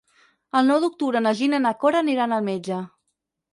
El nou d'octubre na Gina i na Cora aniran al cinema.